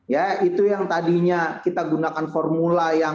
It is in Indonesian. ya itu yang tadinya kita gunakan formula yang